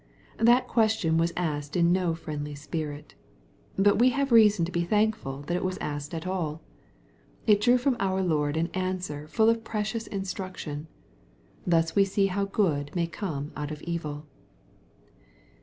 That question was asked in no friendly spirit. But we have reason to he thankful that it was asked at all. It drew from our Lord an answer full of precious instruc tion. Thus we see how good may come out of evil.